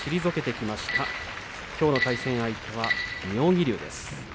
きょうの対戦相手は妙義龍です。